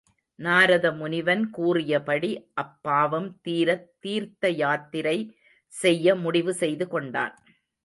நாரத முனிவன் கூறிய படி அப்பாவம் தீரத் தீர்த்தயாத்திரை செய்ய முடிவு செய்து கொண்டான்.